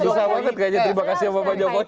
susah banget kayaknya terima kasih sama pak jokowi